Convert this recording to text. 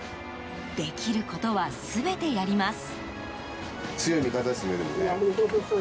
できることは全てやります。